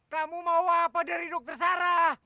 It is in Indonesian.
kamu mau apa dari dokter sarah